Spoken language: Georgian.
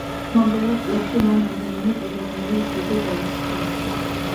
მომდევნო წლებში მან რამდენიმე ეროვნული ჯილდო დაიმსახურა.